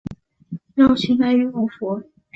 绕去买羽绒衣